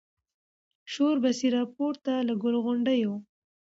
شور به سي پورته له ګل غونډیو